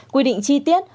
quy định chi tiết